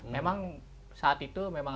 memang saat itu memang